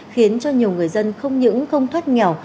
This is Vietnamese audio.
khiến cho nhiều người dân không những không thoát nghèo